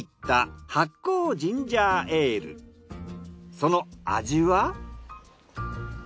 その味は？